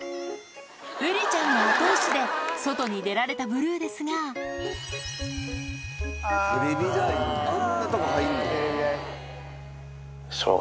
ウリちゃんの後押しで外に出られたブルーですがテレビ台あんなとこ入んの？